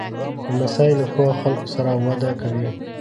لمسی له ښو خلکو سره وده کوي.